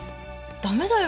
ダメだよ。